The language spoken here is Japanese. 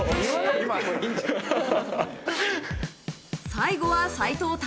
最後は斎藤工。